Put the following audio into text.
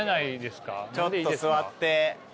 ちょっと座って。